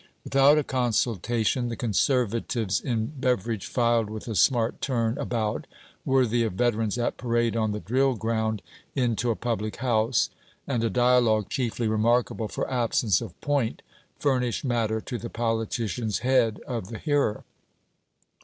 Without a consultation, the conservatives in beverage filed with a smart turn about, worthy of veterans at parade on the drill ground, into a public house; and a dialogue chiefly remarkable for absence of point, furnished matter to the politician's head of the hearer.